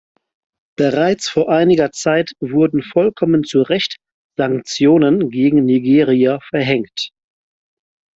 Bereits vor einiger Zeit wurden vollkommen zu Recht Sanktionen gegen Nigeria verhängt.